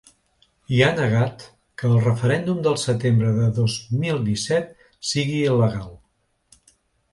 I ha negat que el referèndum del setembre del dos mil disset sigui il·legal.